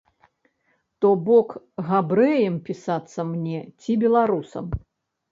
То бок габрэем пісацца мне ці беларусам.